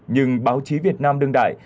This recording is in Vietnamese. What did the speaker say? nhưng báo chí việt nam đương đại